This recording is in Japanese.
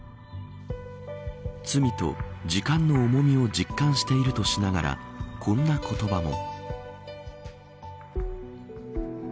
罪と時間の重みを実感しているとしながらこんな言葉も。